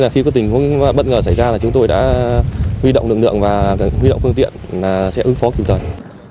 khi có tình huống bất ngờ xảy ra chúng tôi đã huy động lực lượng và huy động phương tiện sẽ ứng phó kịp thời